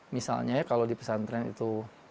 misalnya kalau di pesantren itu